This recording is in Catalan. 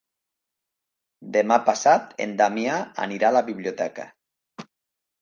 Demà passat en Damià anirà a la biblioteca.